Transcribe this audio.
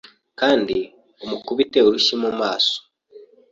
Kandi umukubite urushyi mu maso!